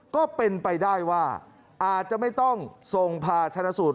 ก็เป็นไปได้ว่าอาจจะไม่ต้องส่งผ่าชนะสูตร